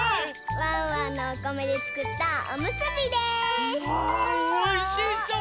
ワンワンのおこめでつくったおむすびです。わおいしそう！